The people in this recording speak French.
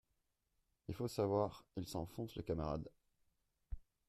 Il faut savoir, Il s’enfonce, le camarade